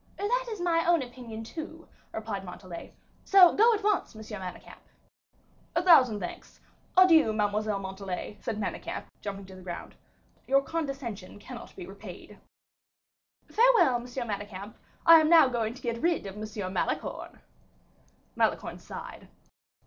"That is my own opinion, too," replied Montalais; "so, go at once, Monsieur Manicamp." "A thousand thanks. Adieu Mademoiselle Montalais," said Manicamp, jumping to the ground; "your condescension cannot be repaid." "Farewell, M. Manicamp; I am now going to get rid of M. Malicorne." Malicorne sighed.